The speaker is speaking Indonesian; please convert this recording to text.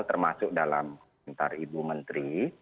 termasuk dalam pintar ibu menteri